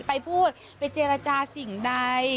ไปพูดไปเจรจาสิ่งใด